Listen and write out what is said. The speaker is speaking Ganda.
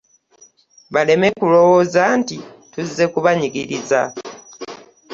Baleme kulowooza nti tuzze kubanyigiriza.